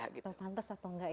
pantes atau gak ya